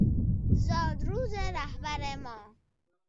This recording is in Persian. زاد روز رهبر ما